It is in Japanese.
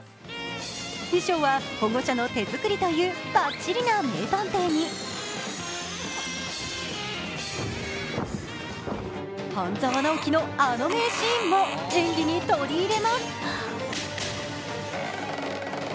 衣装は保護者の手作りというバッチリな名探偵に「半沢直樹」のあの名シーンも演技に取り入れます。